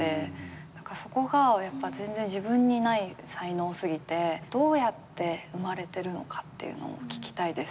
そこが全然自分にない才能すぎてどうやって生まれてるのかっていうのを聞きたいです。